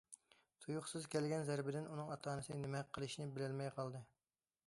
تۇيۇقسىز كەلگەن زەربىدىن ئۇنىڭ ئاتا- ئانىسى نېمە قىلىشىنى بىلەلمەي قالدى.